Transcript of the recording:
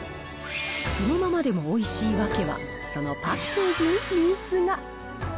そのままでもおいしい訳は、そのパッケージに秘密が。